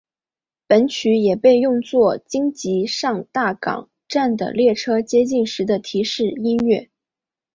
本曲也被用作京急上大冈站的列车接近时的提示音乐。